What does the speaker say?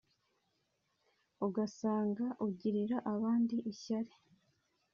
ugasanga ugirira abandi ishyari